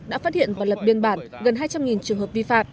đã phát hiện và lập biên bản gần hai trăm linh trường hợp vi phạm